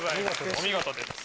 お見事です。